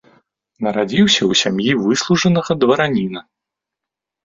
Нарадзіўся ў сям'і выслужанага двараніна.